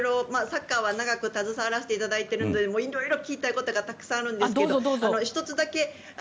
サッカーは長く携わらせていただいてるのでいろいろ聞きたいことがたくさんあるんですが１つだけ。